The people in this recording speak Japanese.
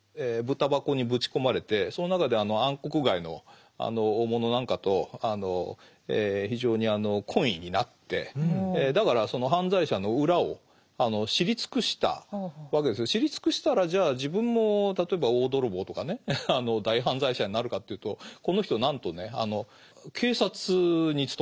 ブタ箱にぶち込まれてその中で暗黒街の大物なんかと非常に懇意になってだからその犯罪者の裏を知り尽くしたわけですけど知り尽くしたらじゃあ自分も例えば大泥棒とかね大犯罪者になるかというとこの人なんとね警察に勤めるんです。